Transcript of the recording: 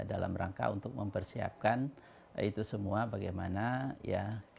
dalam rangka untuk mempersiapkan itu semua bagaimana ya